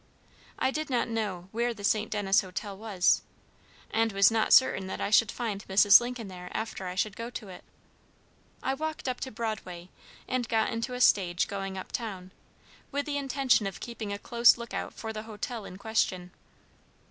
I did not know where the St. Denis Hotel was, and was not certain that I should find Mrs. Lincoln there after I should go to it. I walked up to Broadway, and got into a stage going up town, with the intention of keeping a close look out for the hotel in question.